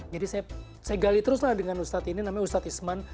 jadi saya gali terus lah dengan ustadz ini namanya ustadz isman